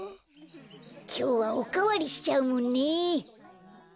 きょうはおかわりしちゃうもんね。